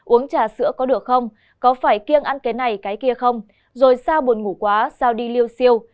uống trà sữa có được không có phải kiêng ăn cái này cái kia không rồi sao buồn ngủ quá sao đi lưu siêu